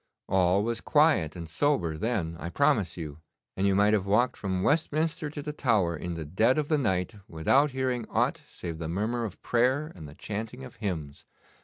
All was quiet and sober then, I promise you, and you might have walked from Westminster to the Tower in the dead of the night without hearing aught save the murmur of prayer and the chanting of hymns.